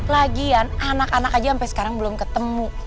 lagian anak anak aja sampai sekarang belum ketemu